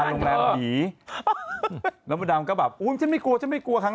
โรงแรมหนีแล้วมดดำก็แบบอุ้ยฉันไม่กลัวฉันไม่กลัวครั้ง